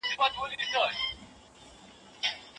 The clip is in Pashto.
هغه تر مرګه پورې یوازې یوه ښځه درلوده.